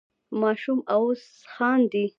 ماشوم اوس خاندي.